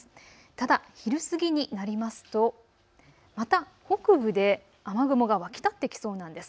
ただ昼過ぎになりますとまた北部で雨雲が湧き立ってきそうなんです。